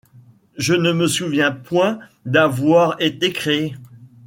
Je ne me souviens point d’avoir été créé.